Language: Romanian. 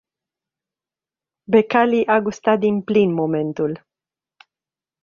Becali a gustat din plin momentul.